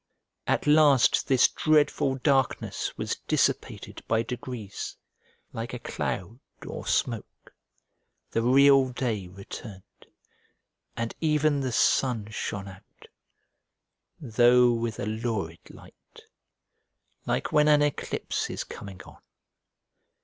At last this dreadful darkness was dissipated by degrees, like a cloud or smoke; the real day returned, and even the sun shone out, though with a lurid light, like when an eclipse is coming on.